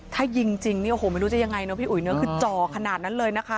ถ้ายิงจริงไม่รู้ได้ยังไงพี่อุ๋ยเนี่ยก็จ่อขนาดนั้นเลยนะคะ